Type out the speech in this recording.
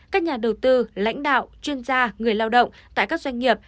các nhà đầu tư lãnh đạo chuyên gia người lao động tại các doanh nghiệp